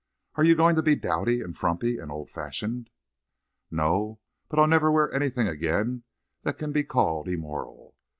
Are you going to be dowdy and frumpy and old fashioned?" "No. But I'll never wear anything again that can be called immoral.